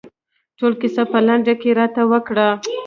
ټوله کیسه په لنډو کې راته وکړه.